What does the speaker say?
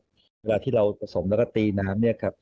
เวลาที่เราผสมแล้วก็ตีน้ำเนี่ยครับ